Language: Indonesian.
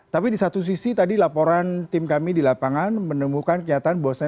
tapi di satu sisi tadi laporan tim kami di lapangan menemukan kenyataan bahwasannya